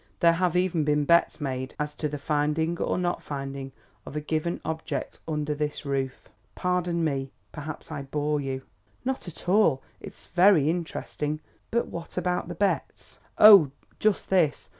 There have even been bets made as to the finding or not finding of a given object under this roof. Pardon me, perhaps I bore you." "Not at all. It's very interesting. But what about the bets?" "Oh, just this.